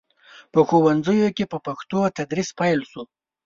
په ښوونځیو کې په پښتو تدریس پیل شو.